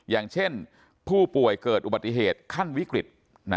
อย่างเช่นผู้ป่วยเกิดอุบัติเหตุขั้นวิกฤต